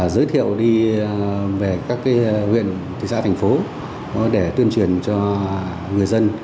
giới thiệu đi về các huyện thị xã thành phố để tuyên truyền cho người dân